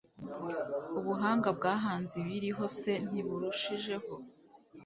ubuhanga bwahanze ibiriho se ntiburushijeho